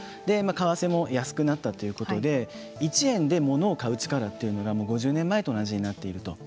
為替も安くなったということで１円で物を買う力というのが５０年前と同じになっていると。